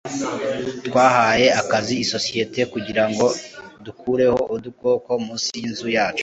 twahaye akazi isosiyete kugirango dukureho udukoko munsi yinzu yacu